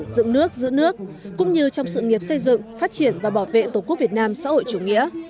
dựng nước giữ nước cũng như trong sự nghiệp xây dựng phát triển và bảo vệ tổ quốc việt nam xã hội chủ nghĩa